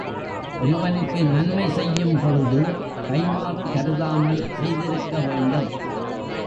ஒருவனுக்கு நன்மை செய்யும் பொழுது கைம்மாறு கருதாமல் செய்திருக்க வேண்டும்.